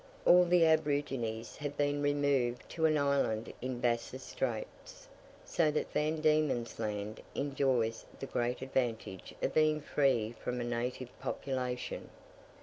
All the aborigines have been removed to an island in Bass's Straits, so that Van Diemen's Land enjoys the great advantage of being free from a native population.